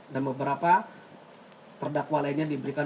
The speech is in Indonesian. dan beberapa terdakwa lainnya diberikan